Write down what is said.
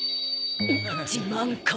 自慢か。